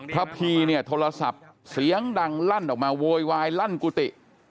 พีเนี่ยโทรศัพท์เสียงดังลั่นออกมาโวยวายลั่นกุฏิ